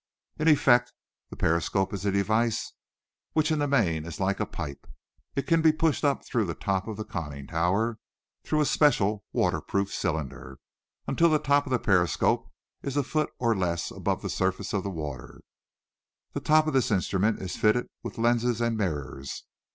In effect, the periscope is a device which in the main is like a pipe; it can be pushed up through the top of the conning tower, through a special, water proof cylinder, until the top of the periscope is a foot, or less, above the surface of the water. The top of this instrument is fitted with lenses and mirrors.